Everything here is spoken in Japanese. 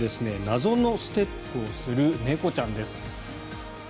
謎のステップをする猫ちゃんです。